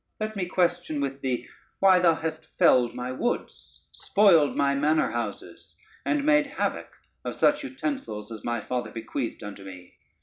Let me question with thee, why thou hast felled my woods, spoiled my manor houses, and made havoc of such utensils as my father bequeathed unto me?